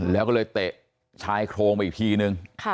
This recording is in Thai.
แล้วก็เลยเตะชายโครงไปอีกทีนึง